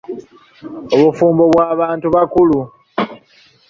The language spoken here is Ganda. Obufumbo bwa abantu bakulu.